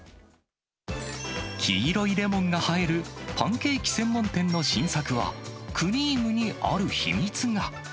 黄色いレモンが映えるパンケーキ専門店の新作は、クリームにある秘密が。